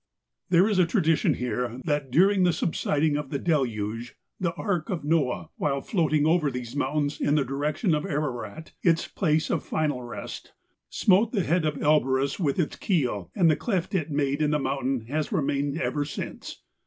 There is a tradition here that, during the subsid¬ ing of the Deluge, the ark of Noah, while floating over these mountains in the direction of Ararat, its place of final rest, smote the head of Elborus with its keel, and the cleft it made in the mountain has remained ever since.